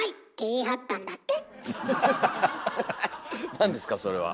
何ですかそれは。